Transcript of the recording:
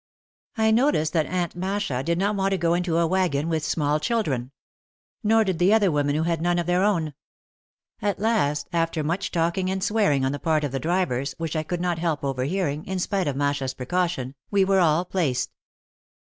I noticed that Aunt Masha did not want to go into a wagon with small children. Nor did the other women who had none of their own. At last, after much talking and swearing on the part of the drivers, which I could not help over hearing, in spite of Masha's precaution, we were all placed.